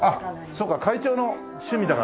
あっそうか会長の趣味だから。